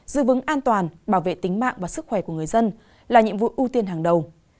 giữ vững an toàn bảo vệ tính mạng và sức khỏe của người dân là nhiệm vụ ưu tiên hàng đầu